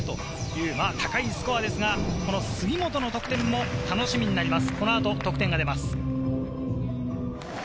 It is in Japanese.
高いスコアですが、杉本の得点も楽しみになります。